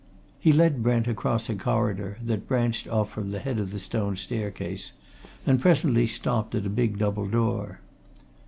He led Brent across a corridor that branched off from the head of the stone staircase, and presently stopped at a big double door.